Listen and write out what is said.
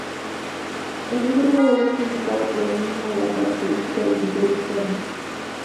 El mejor modelo está indicado por el mínimo de la característica del criterio externo.